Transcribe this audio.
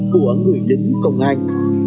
của người đứng công an